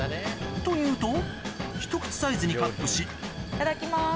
と言うとひと口サイズにカットしいただきます。